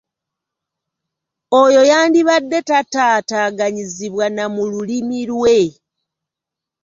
Oyo yandibadde tataataaganyizibwa na mu lulimi lwe.